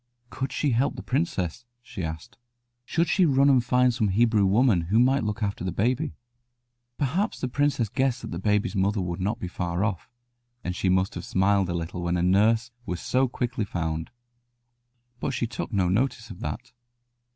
Could she help the princess? she asked. Should she run and find some Hebrew woman who might look after the baby? Perhaps the princess guessed that the baby's mother would not be far off, and she must have smiled a little when a nurse was so quickly found. But she took no notice of that.